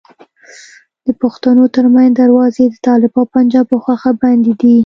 د پښتنو ترمنځ دروازې د طالب او پنجاب په خوښه بندي دي.